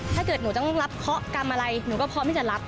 ถ้าเกิดหนูต้องรับเคาะกรรมอะไรหนูก็พร้อมที่จะรับ